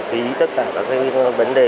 phí tất cả các vấn đề